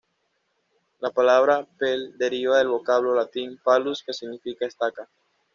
La palabra "Pale" deriva del vocablo latín "palus", que significa estaca.